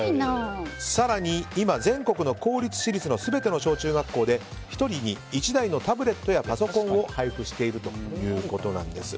更に今、全国の公立・私立の全ての小中学校で１人に１台のタブレットやパソコンを配布しているということです。